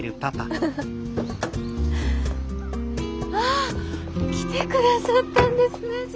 あ！来てくださったんですね静さん！